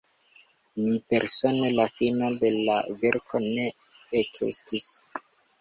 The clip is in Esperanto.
Mi persone la finon de la verko ne eksentis.